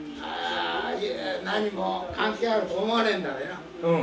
何も関係あると思わないんだ。